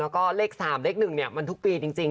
แล้วก็เลข๓เลข๑มันทุกปีจริง